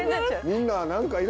みんな。